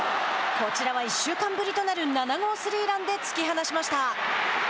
こちらは１週間ぶりとなる７号スリーランで突き放しました。